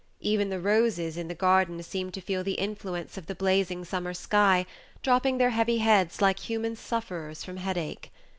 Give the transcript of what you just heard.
Even the roses in the garden seemed to feel the influence of the blazing summer sky, dropping their heavy heads like human sufferers from headache.